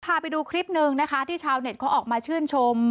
พาไปดูคลิปหนึ่งนะคะที่ชาวเน็ตเขาออกมาชื่นชม